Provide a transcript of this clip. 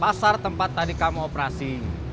pasar tempat tadi kamu operasi